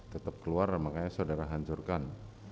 tetap keluar makanya saudara hancurkan